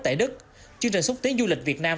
tại đức chương trình xúc tiến du lịch việt nam